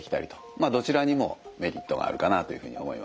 まあどちらにもメリットがあるかなというふうに思います。